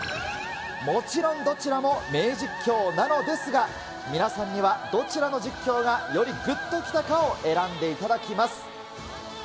もちろんどちらも名実況なのですが、皆さんにはどちらの実況がよりぐっときたかを選んでいただきます。